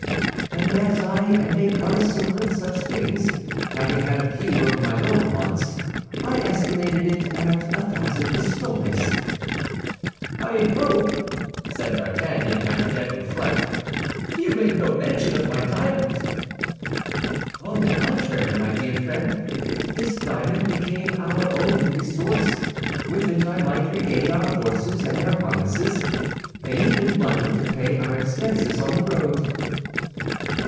"And as I am a connoisseur in such things, having had a few of my own once, I estimated it at a thousand pistoles." "I hope," said D'Artagnan, half dead with fright, "you made no mention of my diamond?" "On the contrary, my dear friend, this diamond became our only resource; with it I might regain our horses and their harnesses, and even money to pay our expenses on the road."